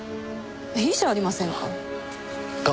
いいじゃありませんか。